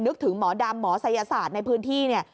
ถึงหมอดำหมอศัยศาสตร์ในพื้นที่เนี่ย